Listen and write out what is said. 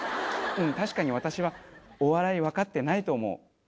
うん確かに私はお笑いわかってないと思う。